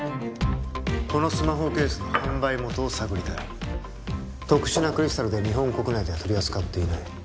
このスマホケースの販売元を探りたい特殊なクリスタルで日本国内では取り扱っていない